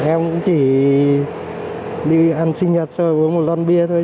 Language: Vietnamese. em cũng chỉ đi ăn sinh nhật thôi uống một lon bia thôi